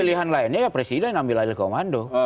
pilihan lainnya presiden ambil aja komando